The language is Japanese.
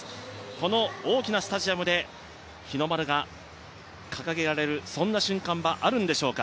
この大きなスタジアムで日の丸が掲げられるそんな瞬間はあるのでしょうか。